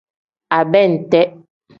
Abente.